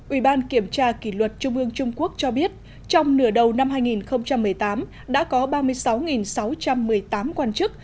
ủy ban kiểm tra kỷ luật trung ương trung quốc cho biết trong nửa đầu năm hai nghìn một mươi tám đã có ba mươi sáu sáu trăm một mươi tám quan chức